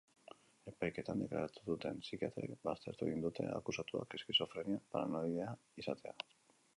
Epaiketan deklaratu duten psikiatrek baztertu egin dute akusatuak eskizofrenia paranoidea izatea.